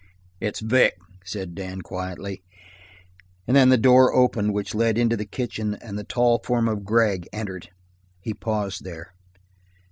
"It's Vic," said Dan quietly, and then the door opened which led into the kitchen and the tall form of Gregg entered. He paused there.